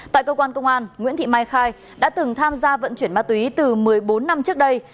tại cơ quan công an nguyễn thị mai khai đã từng tham gia vận chuyển ma túy từ một mươi bốn năm trước đây